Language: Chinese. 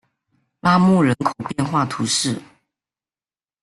拉穆人口变化图示